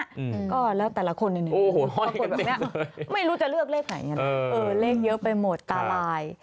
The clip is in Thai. ก็แล้วแต่ละคนเนี่ยไม่รู้จะเลือกเลขไหนอย่างนั้นเลขเยอะไปหมดตาลาย